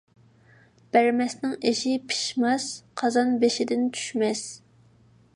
بەرمەسنىڭ ئېشى پىشماس، قازان بېشىدىن چۈشمەس.